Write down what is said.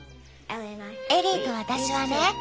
エリーと私はね